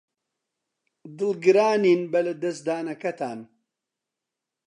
دڵگرانین بە لەدەستدانەکەتان.